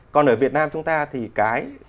còn ở việt nam chúng ta thì cái